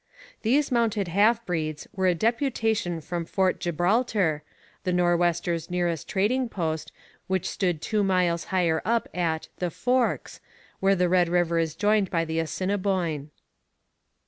These mounted half breeds were a deputation from Fort Gibraltar, the Nor'westers' nearest trading post, which stood two miles higher up at 'the Forks,' where the Red River is joined by the Assiniboine.